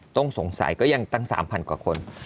ต้องสงสัยก็ยังตั้ง๓๐๐กว่าคน